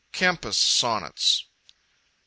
Campus Sonnets: 1.